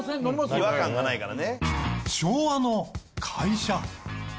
違和感がないからね。